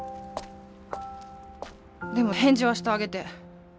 でも返事はしてあげて。